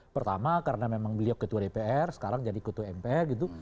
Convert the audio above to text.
pertama karena memang beliau ketua dpr sekarang jadi ketua mpr gitu